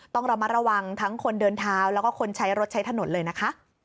ต้องระมัดระวังทั้งคนเดินเท้าแล้วก็คนใช้รถใช้ถนนเลยนะคะ